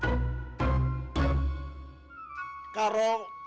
kalau bukan hadis sulam